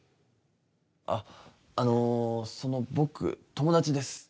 あっあのその僕友達です。